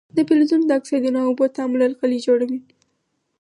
د فلزونو د اکسایدونو او اوبو تعامل القلي جوړوي.